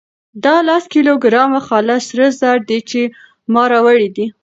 دا لس کيلو ګرامه خالص سره زر دي چې ما راوړي دي.